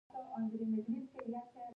ګرګين بېرته پر خپله څوکۍ کېناست.